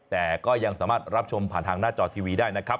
แต่ก็ยังสามารถรับชมผ่านทางหน้าจอทีวีได้นะครับ